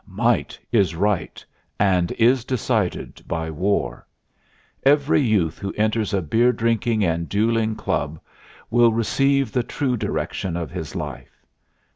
"Might is right and ... is decided by war. Every youth who enters a beer drinking and dueling club will receive the true direction of his life.